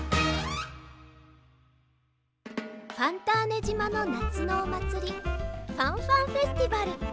ファンターネじまのなつのおまつりファンファンフェスティバル。